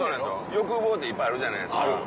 欲望っていっぱいあるじゃないですか。